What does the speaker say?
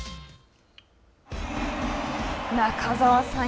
中澤さん